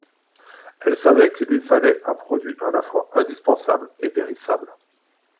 Elle savait qu’il lui fallait un produit à la fois indispensable et périssable.